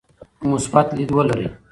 مثبت لید ولرئ.